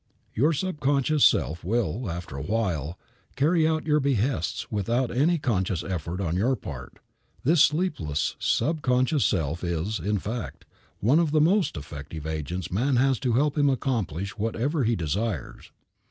Your subconscious self will, after a while, carry out your behests without any conscious effort on your part. This sleepless subconscious self is, in fact, one of the most effective agents man has to help him accomplish whatever he desires.